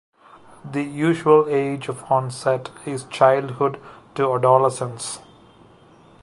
The usual age of onset is childhood to adolescence.